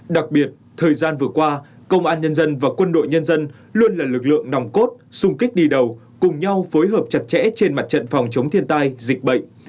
đặc biệt thời gian vừa qua công an nhân dân và quân đội nhân dân luôn là lực lượng nòng cốt sung kích đi đầu cùng nhau phối hợp chặt chẽ trên mặt trận phòng chống thiên tai dịch bệnh